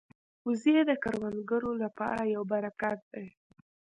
وزې د کروندګرو لپاره یو برکت دي